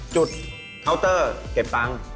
จุดเคาน์เตอร์เก็บปัง